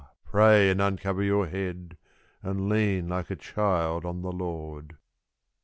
pray and uncover your head, and lean like a child on the Lord.